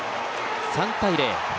３対０。